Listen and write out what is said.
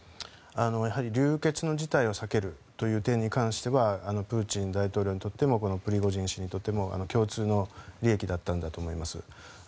やはり流血の事態は避けるという点に関してはプーチン大統領にとってもプリゴジン氏にとっても共通の利益だったんだと思います。